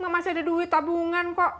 masih ada duit tabungan kok